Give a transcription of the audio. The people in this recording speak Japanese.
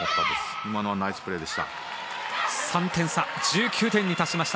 今のはナイスプレーでした。